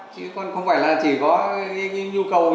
chứ còn không phải là chỉ có những nhu cầu nhà ở không thôi